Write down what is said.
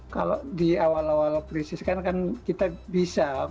kalau di awal awal krisis kan kan kita bisa